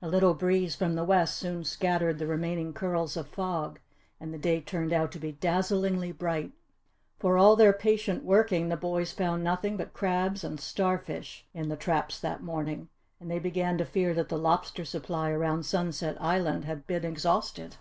A little breeze from the west soon scattered the remaining curls of fog and the day turned out to be dazzlingly bright. For all their patient working the boys found nothing but crabs and star fish in the traps that morning, and they began to fear that the lobster supply around Sunset Island had been exhausted.